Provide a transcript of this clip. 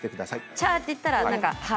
チャーって言ったらハン。